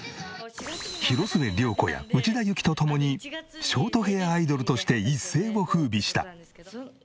広末涼子や内田有紀と共にショートヘアアイドルとして一世を風靡した。